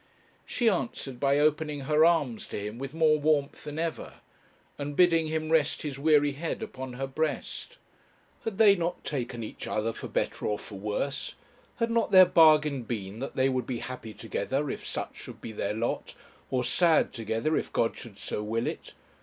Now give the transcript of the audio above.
She answered by opening her arms to him with more warmth than ever, and bidding him rest his weary head upon her breast. Had they not taken each other for better or for worse? had not their bargain been that they would be happy together if such should be their lot, or sad together if God should so will it?